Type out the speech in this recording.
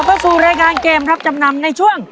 เข้าสู่รายการเกมรับจำนำในช่วง